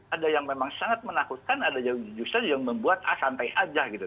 ada yang memang sangat menakutkan ada yang justru yang membuat asantai aja gitu kan